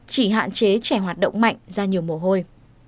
chỉ hạn chế trẻ hoạt động mạnh ra nhiều mồ hôi